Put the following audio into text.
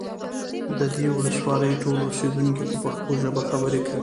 د دې ولسوالۍ ټول اوسیدونکي په پښتو ژبه خبرې کوي